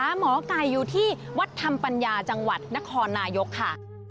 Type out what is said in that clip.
หมอไก่อยู่ที่วัดธรรมปัญญาจังหวัดนครนายกค่ะ